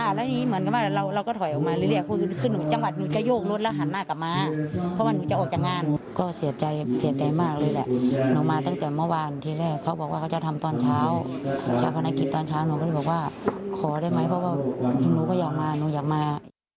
หนูก็อยากมาหนูอยากมา